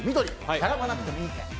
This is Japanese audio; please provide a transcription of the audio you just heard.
並ばなくてもいい券。